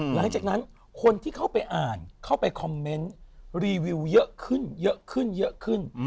หลังจากนั้นคนที่เข้าไปอ่านเข้าไปคอมเมนต์รีวิวเยอะขึ้นเยอะขึ้นเยอะขึ้น